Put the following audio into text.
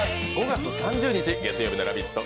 ５月３０日月曜日の「ラヴィット！」